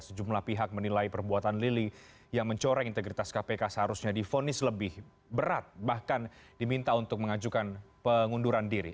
sejumlah pihak menilai perbuatan lili yang mencoreng integritas kpk seharusnya difonis lebih berat bahkan diminta untuk mengajukan pengunduran diri